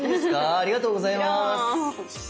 ありがとうございます！